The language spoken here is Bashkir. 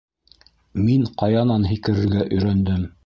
Мин ҡаянан һикерергә өйрәндем.